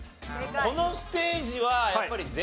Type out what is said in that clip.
このステージはやっぱり。